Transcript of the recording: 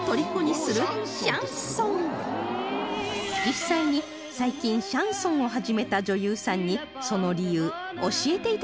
実際に最近シャンソンを始めた女優さんにその理由教えて頂きました